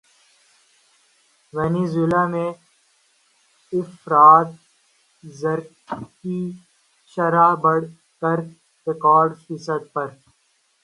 Venezuela میں افراط زر کی شرح بڑھ کر ریکارڈ فیصد پر